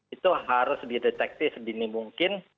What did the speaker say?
itu harus dideteksi sedini mungkin